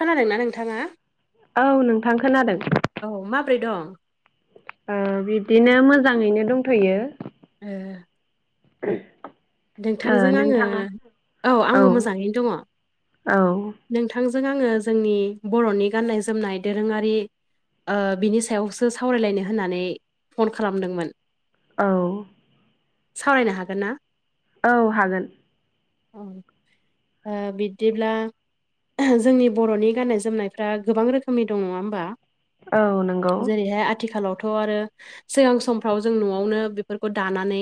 खोनादोंना नोंथाङा? औ नोंथां खोनादों। औ माब्रै दं? बिदिनो मोजाङैनो दंथ'यो। एह [inaudible] ओ नोंथांजों आङो नोंथाङा औ आंबो मोजाङैनो दङ। औ नोंथांजों आङो जोंनि बर'नि गान्नाय जोमनाय दोरोङारि बिनि सायावसो सावरायलायनो होननानै फन खालामदोंमोन। औ। सावरायनो हागोन ना? औ हागोन। औ बिदिब्ला जोंनि बर'नि गाननाय जोमनायफ्रा गोबां रोखोमनि दं नङा होमबा? औ नंगौ जेरैहाय आथिखालावथ' आरो सिगां समफ्राव जों न'आवनो बेफोरखौ दानानै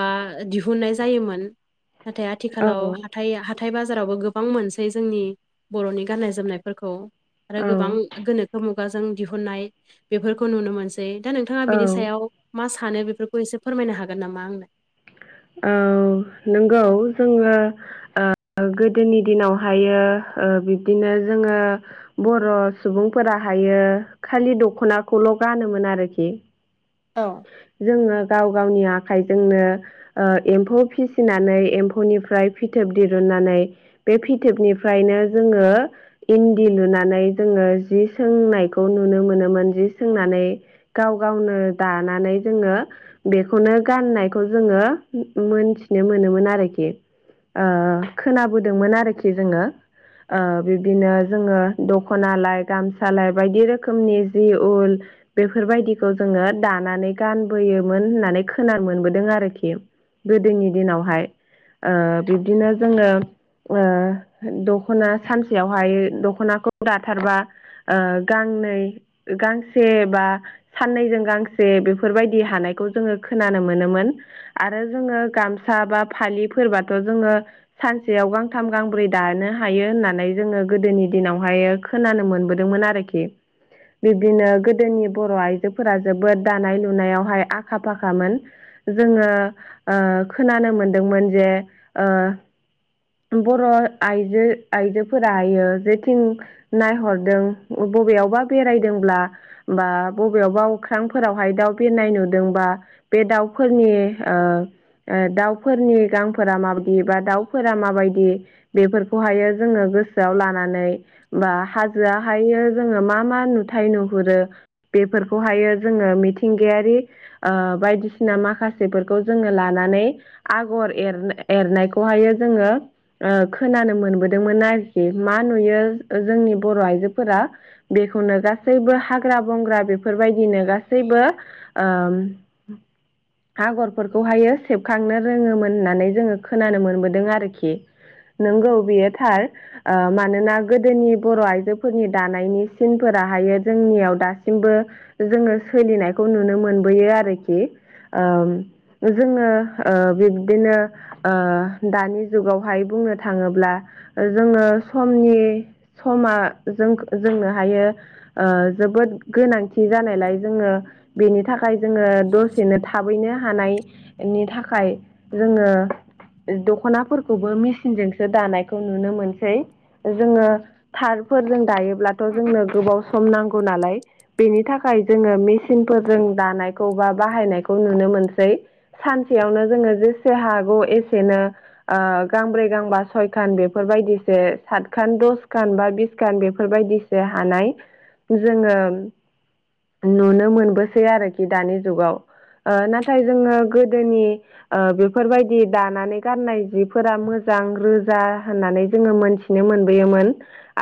बा दिहुन दिहुननाय जायोमोन नाथाय औ आथिखालाव हााइ ह खन्थाइ बाजारावबो गोबां मोनसै जोंनि बर'नि गाननाय जोमनायफोरखौ आरो औ गोबां गोनोखो मुगाजों दिहुननाय बेफोरखौ नुनो मोनसै दा नोंथाङा औ बिनि सायाव मा सानो बेफोरखौ एसे फोरमायनो हागोन नामा आंनो? औ नंगौ जोङो गोदोनि दिनावहायो बिब्दिनो जोङो बर' सुबुंफोराहायो खालि दख'नाखौल' गानोमोन आरोखि। औ जोङो गाव गावनि आखाइजोंनो एम्फौ फिसिनानै एम्फौनिफ्राय फिथोब दिरुननानै बे फिथोबनिफ्रायनो जोङो इन्दि लुनानै जोङो जि सोंनायखौ नुनो मोनोमोन जि सोंनानै गाव गावनो दानानै जोङो बेखौनो गाननायखौ जोङो मोनथिनो मोनोमोन आरोखि। खोनाबोदोंमोन आरोखि जोङो। बिब्दिनो जोङो दख'नालाय गामसालाय बायदि रोखोमनि जि उल बेफोरबायदिखौ जोङो दानानै गानबोयोमोन होननानै खोनानो मोनबोदों आरोखि गोदोनि दिनावहाय। ओ बिब्दिनो जोङो दख'ना सानसेयावहाय दख'नाखौ दाथारबा गांनै गांसे बा साननैजों गांसे से बेफोरबायदि हानायखौ जोङो खोनानो मोनोमोन। आरो जोङो गामसा बा फालिफोरबाथ' जोङो सानसेयाव गांथाम गांब्रै दानो हायो होननानै जोङो गोदोनि दिनावहाय खोनानो मोनबोदोंमोन आरो बिब्दिनो गोदोनि बर' आइजोफोरा जोबोद दानाय लुनायावहाय आखा फाखामोन। जोङो खोनानो मोनदोंमोन जे बर' आइजो आइजोफोराहायो जेथिं नायहरदों बबेयावबा बेरायदोंब्ला बा बबेयावबा अख्रां फोरावहाय दाउ बिरनाय नुदोंबा बे दाउफोरनि दाउफोरनि गांफोरा माबायदि बा दाउफोरा माबायदि बेफोरखौहायो जोंङो गोसोआव लानानै हाजोयाहायो जोंङो मा मा नुथाय नुहुरो बेफोरखौहायो जोंङो मिथिंगायारि बायदिसिना माखासेफोरखौ जोंङो लानानै आगर एर-एरनायखौहायो जोंङो खोनानो मोनबोदोंमोन आरोखि मा नुयो जोंनि बर' आइजोफोरा बेखौनो गासैबो हाग्रा बंग्रा बेफोरबायदिनो गासै गासैबो ओम [inaudible] आगरफोरखौहायो सेबखांनो रोङोमोन होननानै जोंङो खोनानो मोनबोदों आरोखि। नंगौ बियो थार। मानोना गोदोनि बर' आइजोफोरनि दानायनि सिनफोराहायो जोंनियाव दासिमबो जोंङो सोलिनायखौ नुनो मोनबोयो आरोखि। जोंङो बिब्दिनो दानि जुगावहाय बुंनो थाङोब्ला जोंङो समनि समा जों-जोंनो हायो जोबोद गोनांथि जानायलाय जोंङो बेनि थाखाय जोंङो दसेनो थाबैनो हानायनि थाखाय। जोंङो दख'नाफोरखौबो मेसिनजोंसो दानायखौ नुनो मोनसै। जोंङो थारफोरजों दायोब्लाथ' जोंनो गोबाव सम नांगौ नालाय। बेनि थाखाय जोंङो मेसिनफोरजों दानायखौ बा बाहायनायखौ नुनो मोनसै। सानसेयावनो जोङो जेसे हागौ एसेनो गांब्रै गांबा सयखान बेफोरबायदिसो सातखान दसखान बा बिसखान बेफोरबायदि हानाय जोंङो। नुनो मोनबोसै आरोखि दानि जुगाव नाथाय जोंङो गोदोनि। बेफोरबायदि दानानै गाननाय जिफोरा मोजां रोजा होननानै जोंङो मोनथि। नुनो मोनबोयोमोन।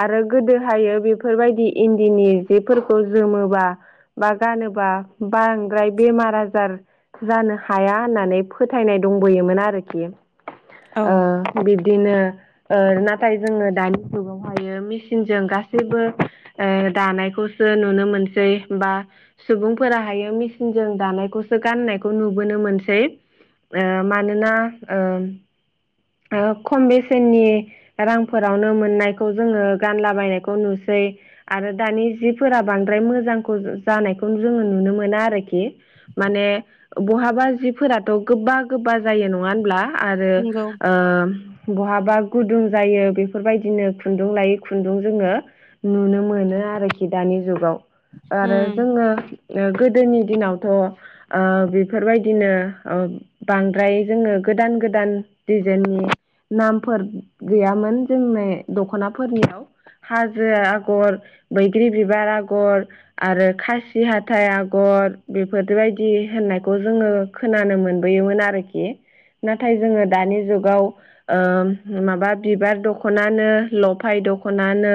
आरो गोदोहाय बेफोरबायदि इन्दिनि जिफोरखौ जोमोबा। बा गानोबा बांद्राय बेमार आजार। जानो हाया होननानै फोथायनाय दंबोयोमोन आरोखि। औ बिब्दिनो नाथाय जोंङो दानि जुगावहायो मेसिनजों गासैबो। दानायखौसो नुनो मोनसै। बा सुबुंफोराहायो मेसिनजों दानायखौसो गानायखौ नुबोनो मोनसै। मानोना खम बेसेननि। रांफोरावनो मोननायखौ जोंङो गानलाबायनायखौ नुसै। आरो दानि जिफोरा बांद्राय मोजांखौ जानायखौ जोंङो नुनो मोना आरोखि। माने बहाबा जिफोराथ' गोबा गोबा जायो नङा होनब्ला। आरो नंगौ ओम। बहाबा गुदुं जायो बेफोरबायदिनो खुन्दुं लायै खुन्दुं जोंङो। नुनो मोनो आरोखि दानि जुगाव। आरो उम जोंङो गोदोनि दिनावथ'। ओ बेफोरबायदिनो। बांद्राय जोंङो गोदान गोदान दिजाइननि। नामफोर गैयामोन जोंनि दख'नाफोरनियाव। हाजो आगर बैग्रि बिबार आगर। आरो खासि हाथाइ आगर बेफोरबायदि होननायखौ जोंङो। खोनानो मोनबोयोमोन आरोखि नाथाय जोंङो दानि जुगाव। माबा बिबार दखनानो लफाय दखनानो।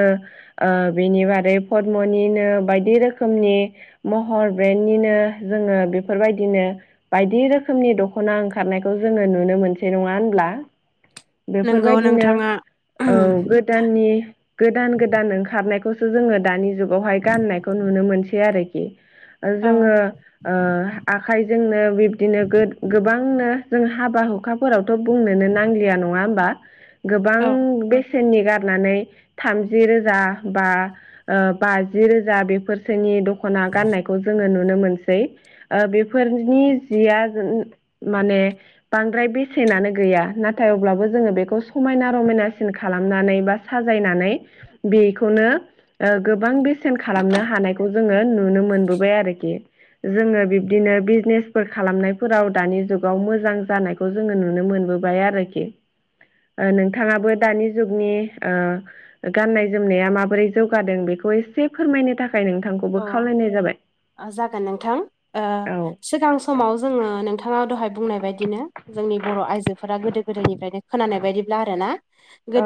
बेनि बादै पदमनिनो बायदि रोखोम। रोखोमनि महर ब्रेन्डनिनो जोंङो बेफोरबायदिनो। बायदि रोखोमनि दख'ना ओंखारनायखौ जोंङो नुनो मोनसै नङा होनब्ला। नंगौ बेफोरबायदिनो नोंथाङा औ गो। द गोदान गोदान ओंखारनायखौसो जोङो दानि जुगावहाय गाननायखौ मोनसे आरोखि औ जोङो आखाइजोंनो बिब्दिनो गोबांनो जों हाबा हुखाफोरावथ' बुंनोनो नांलिया नङा होमबा गोबां औ बेसेननि गारनानै थामजि रोजा बा बाजि रोजा बेफोर फोरसेनि दख'ना गाननायखौ जोङो नुनो मोनसै बेफोरनि जिया माने बांद्राय बेसेनानो गैया नाथाय अब्लाबो जोङो बेखौ समायना रमायनासिन खालामनानै बा साजायनानै बेखौनो गोबां बेसेन खालामनो हायो जोङो नुनो मोनबोबाय आरोखि जोङो बिब्दिनो बिजनेसफोर खालामनायफोराव दानि जुगाव मोजां जानाय खौ जोङो नुनो मोनबोबाय आरोखि नोंथाङाबो दानि जुगनि गाननाय जोमनाया माबोरै जौगादों बेखौ एसे फोरमायनो थाखाय नोंथांखौ औ जागोन नोंथां औ सिगां समाव जोङो नोंथाङा दहाय बुंनाय बायदिनो जोंनि बर' आइजोफोरा गोदो गोदायनिफ्रायनो खोनानाय बायदिब्ला आरो ना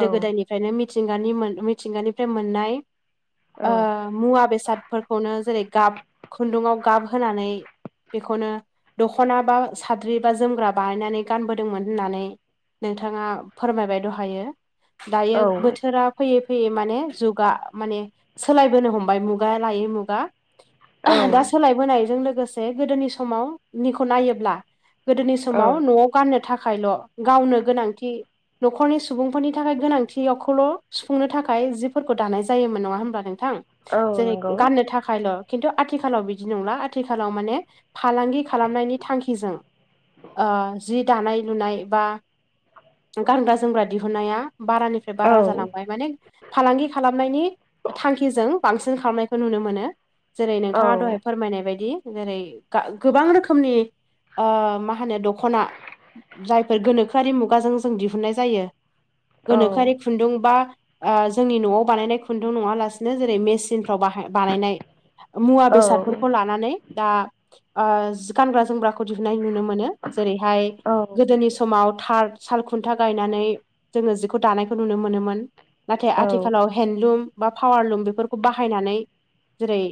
औ गोदायनिफ्रायनो मिथिंगानि मिथिंगानिफ्राय मोननाय ओ औ। मुवा बेसादफोरखौनो जेरै गाब खुन्दुाव गाब होनानै बेखौनो दख'ना बा साद्रि बा जोमग्रा बानायनानै गानबोदोंमोन होननानै नोंथाङा फोरमायबाय दहायो। दायो औ बोथोरा फैयै फैयै माने जुगा माने सोलायबोनो हमबाय। मुगा लायै मुगा औ दा सोलाय नायजों लोगोसे गोदोनि समावनिखौ नायोब्ला। गोदनि औ समाव' नआव गाननो थाखायल' गावनो गोनांथि न'खरनि सुबुंफोरनि थाखाय गोनांथियावखौल' सुफुंनो थाखाय जिफोरखौ दानाय जायोमोन नङा होमब्ला नोंथां? औ जेरै नंगौ। गाननो थाखायल' खिन्थु आथिखालाव बिदि नंला आथिखालाव माने फालांगि खालामनायनि थांखिजों जि दानाय लुनाय बा गानग्रा जोमग्रा दिहुनाया बारानिफ्राय औ बारा जालांबाय माने फालांगि खालामनायनि थांखिजों बांसिन खालामनाय खौ नुनो मोनो जेरै औ नोंथाङा दहाय फोरमायनाय बायदि। जेरै गा गोबां रोखोमनि आ मा होनो दख'ना जायफोर गोनोखोआरि मुगाजों जों दिहुननाय जायो। औ गोनोखोआरि खुन्दुं बा आ जोंनि न'आव बानायनाय खुन्दुं नङा लासिनो जेरै मेसिन फ्राव बाहाय बानायनाय मुवा औ बेसादफोरखौ लानानै दा आ जि गानग्रा जोमग्राखौ दिहुननाय नुनो मोनो जेरैहाय गोदोनि समाव थार सालखुन्था गायनानै जोङो जिखौ दानायखौ नुनो मोनोमोन। नाथाय आथिखालाव औ हेन्दलुम बा पावारलुम बेफोरखौ बा हायनानै जेरै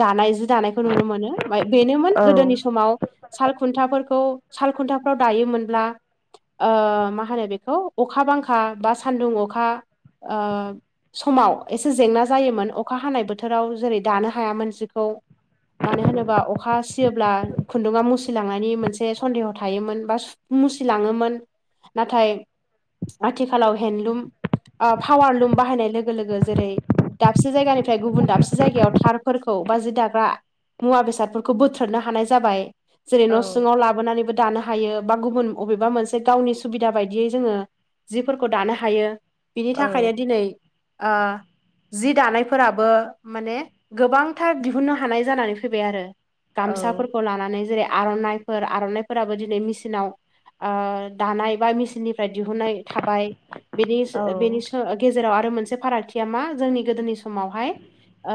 दानाय जि दानायखौ नुनो मोनो। माइ बेनोमोन गोदोनि समाव। साल खुन्थाफोरखौ साल खुन्थाफ्राव दायोमोनब्ला, आ मा होनो बेखौ? अखा बांखा बा सानदुं अखा आ समाव एसे जेंना जायोमोन। अखा हानाय बोथोराव जेरै दानो हायामोन जिखौ। मानो होनोबा अखा सियोब्ला खुन्दुङा मुसिलांनायनि मोनसे सन्देह थायोमोन बा सु मुसिलाङोमोन। नाथाय आथिखालाव हेन्दलुम आ पावारलुम बाहायनाय लोगो लोगो जेरै दाबसे जायगानिफ्राय गुबुन दाबसे जायगायाव थारफोरखौ बा जि दाग्रा मुवा बेसादफोरखौ बोथ्रोदनो हानाय जाबाय जेरै औ न' औ सिङाव ला बोनानैबो दानो हायो बा गुबुन बबेबा मोनसे गावनि सुबिदा बायदियै जोङो जिफोरखौ दानो हायो बिनि औ थाखायनो दिनै आ दानायफोराबो माने गोबांथार दिहुननो हानाय जानानै फैबाय आरो। गामसाफोरखौ लानानै जेरै आर'नाइफोर आर'नाइफोराबो दिनै मेचिनाव आ दानाय बा मेसिननिफ्राय दिहुननाय थाबाय। बेनि स औ बेनि स गेजेराव आरो मोनसे फारागथिया मा जोंनि गोदोनि समावहाय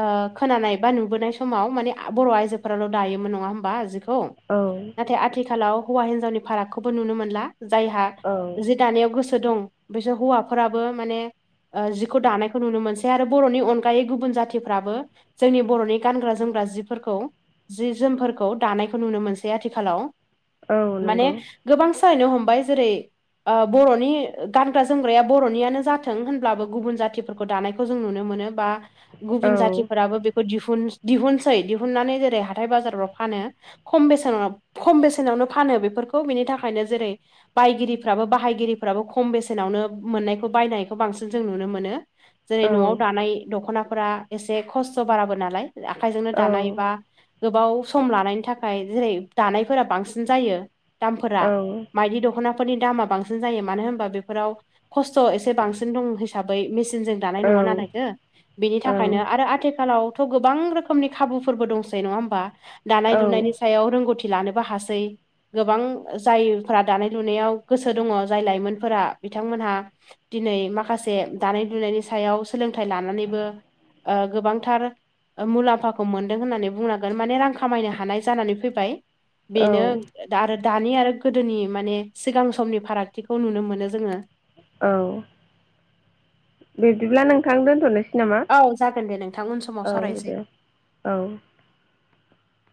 ओ खोनानाय बा नुबोनाय समाव माने बर' आइजोफोराल' दायोमोन नङा होमबा जिखौ? औ। नाथाय आथिखालाव हौवा हिनजावनि फारागखौबो नुनो मोनला जायहा औ जि दानायाव गोसो दं बिसोर हौवाफोराबो माने ओ जिखौ दानायखौ नुनो मोनसै आरो। बर'नि अनगायै गुबुन जाथिफ्राबो जोंनि बर'नि गानग्रा जोमग्रा जिफोरखौ जि जोमफोरखौ दानायखौ नुनो मोनसै आथिखालाव। औ माने नंगौ गोबां सोलायनो हमबाय जेरै बर'नि गानग्रा जोमग्राया बर'नियानो जाथों होनब्लाबो गुबुन जाथिफोरखौ दानायखौ जों नुनो मोनो बा औ गुबुन जातिफोराबो बे खौ दिहुन दिहुनसै दिहुननानै जेरै हाथाय बाजारफ्राव फानो। खम बेसेनाव खम बेसेनावनो फानो बेफोरखौ बिनि थाखायनो जेरै बायगिरिफ्राबो बाहायगिरिफ्राबो खम बेसेनावनो मोननायखौ बायनायखौ बांसिन जों नुनो मोनो। औ जेरै न'आव दानाय दख'नाफोरा एसे खस्थ' बाराबो नालाय आखाइजोंनो औ दानाय बा गोबाव सम लानायनि थाखाय जेरै दानायफोरा बांसिन जायो। दामफोरा औ माइदि दख'ना फोरनि दामा बांसिन जायो मानो होमबा बेफोराव खस्थ इसे बांसिन दङ हिसाबै मिसिनजों दानाय नङा नालायथो बिनि औ थाखायनो आरो आथिखालाव गोबां रोखोमनि खाबुफोरबो दंसै नङा होमबा औ दानाय लुनायनि सायाव रोंगौथि लानोबो हासै। गोबां जायफोरा दानाय लुनायाव गोसो दङ जाय लाइमोनफोरा बिथांमोनहा दिनै माखासे दानाय लुनायनि सायाव सोलोंथाइ लानानैबो ओ गोबांथार मुलाम्फाखौ मोनदों होननानै बुंनांगोन माने रां खामायनो हानाय जानानै फैबाय बेनो आरो दानि आरो गोदोनि माने सिगां समनि फारागथिखौ नुनो मोनो जोंङो। औ। बिदिब्ला नोंथां दोनथ'नोसै। नामा औ जागोन दे नोंथां उन औ समाव दे सावरायसै। औ।